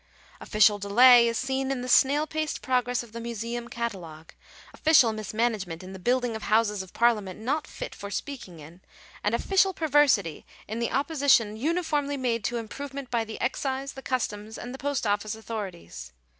Official delay is seen in the snail paced progress of the Museum Catalogue ; official mismanagement in the building of Houses of Parliament not fit for speaking in ; and official perversity in the opposition uniformly made to improvement by the Excise, the Customs, and the Post Office authorities.